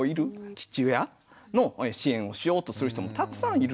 父親の支援をしようとする人もたくさんいる。